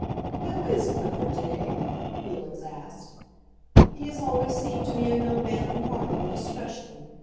"How is Clifford today?" Felix asked. "He has always seemed to me a young man of remarkable discretion.